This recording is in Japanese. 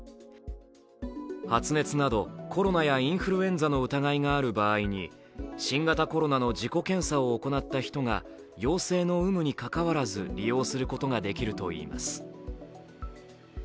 発熱などコロナやインフルエンザの疑いがある場合に新型コロナの自己検査を行った人が陽性の有無にかかわらず利用することができるといいます。